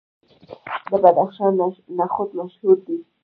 د بدخشان نخود مشهور دي.